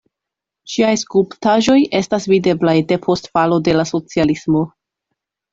Ŝiaj skulptaĵoj estas videblaj depost falo de la socialismo.